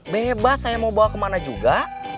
menyebas saya mau bawa kemana juga